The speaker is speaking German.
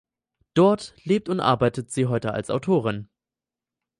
Dort lebt und arbeitet sie heute als Autorin.